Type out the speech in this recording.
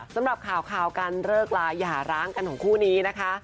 สำหรับข่าวการเลิกลาอย่าร้างกันของคู่นี้นะคะ